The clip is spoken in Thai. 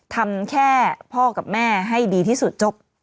ทำแค่พ่อกับแม่ให้ดีที่สุดจบ